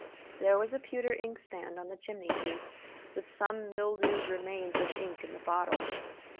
There was a pewter inkstand on the chimney piece, with some mildewed remains of ink in the bottle.